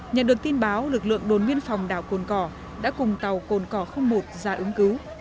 nhận được tin báo lực lượng đồn biên phòng đảo cồn cỏ đã cùng tàu cồn cỏ không một ra ứng cứu